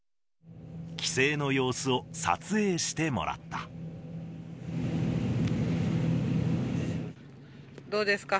帰省の様子を撮影してもらっどうですか？